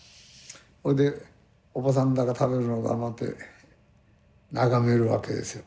それでおばさんらが食べるのを黙って眺めるわけですよ。